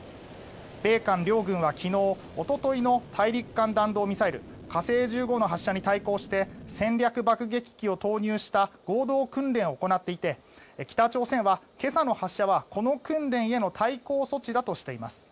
米韓両軍は昨日おとといの大陸間弾道ミサイル火星１５の発射に対抗して戦略爆撃機を投入した合同訓練を行っていて北朝鮮は今朝の発射はこの訓練への対抗措置だとしています。